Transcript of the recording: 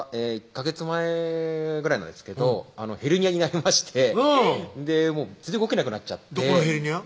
１ヵ月前ぐらいなんですけどヘルニアになりましてうん全然動けなくなっちゃってどこのヘルニア？